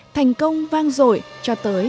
thành công vang rội cho tới tận ngày hôm nay